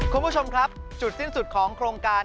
คุณผู้ชมครับจุดสิ้นสุดของโครงการ